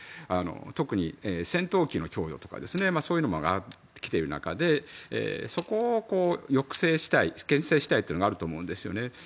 特に戦闘機の供与とかそういうのが上がってきている中でそこを抑制したいけん制したいというのがあると思うんですね。